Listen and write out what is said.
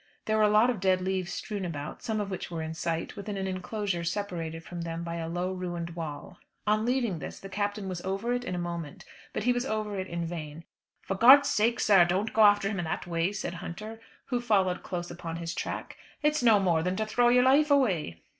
There were a lot of dead leaves strewed about, some of which were in sight, within an enclosure separated from them by a low ruined wall. On leaving this the Captain was over it in a moment, but he was over it in vain. "For God's sake, sir, don't go after him in that way," said Hunter, who followed close upon his track. "It's no more than to throw your life away."